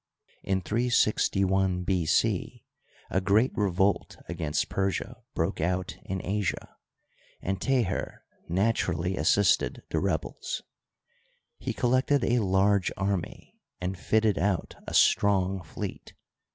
In 361 B. c. a g^eat revolt against Persia broke out in Asia, and Teher naturally assisted the rebels. He col lected a large army and fitted out a strong fleet.